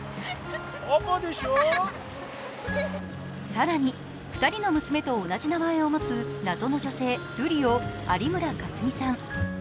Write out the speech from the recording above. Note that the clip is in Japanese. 更に２人の娘と同じ名前を持つ謎の女性、瑠璃を有村架純さん。